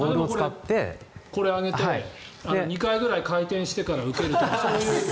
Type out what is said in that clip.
これを上げて２回ぐらい回転してから受けるとか。